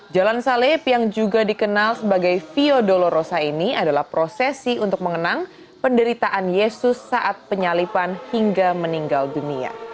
jalan salib yang juga dikenal sebagai vio dolorosa ini adalah prosesi untuk mengenang penderitaan yesus saat penyalipan hingga meninggal dunia